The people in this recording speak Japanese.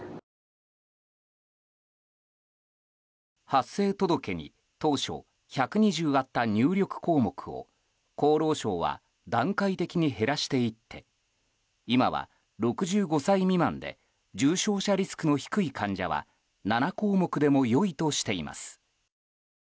発生届に当初１２０あった入力項目を厚労省は段階的に減らしていって今は６５歳未満で重症化リスクの低い患者は７項目でもよいとしています。